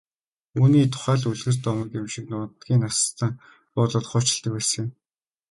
Үүний тухай л үлгэр домог шиг юм нутгийн настан буурлууд хуучилдаг байсан юм.